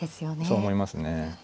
そう思いますね。